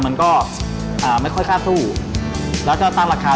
ป๊อบกะเพราจับกันค่ะ